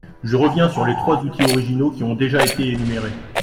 Je reviens sur les trois outils originaux qui ont déjà été énumérés.